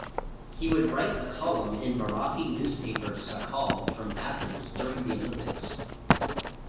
He would write a column in Marathi newspaper Sakal from Athens during the olympics.